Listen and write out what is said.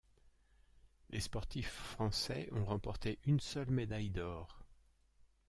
Les sportifs français ont remporté une seule médaille d'or.